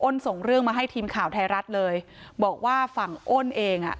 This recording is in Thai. ส่งเรื่องมาให้ทีมข่าวไทยรัฐเลยบอกว่าฝั่งอ้นเองอ่ะ